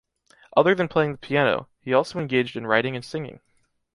Other than playing the piano, he also engaged in writing and singing.